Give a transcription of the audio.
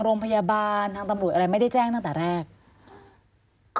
โรงพยาบาลทางตำรวจอะไรไม่ได้แจ้งตั้งแต่แรก